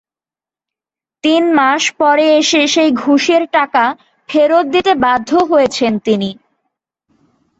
তিন মাস পরে এসে সেই ঘুষের টাকা ফেরত দিতে বাধ্য হয়েছেন তিনি।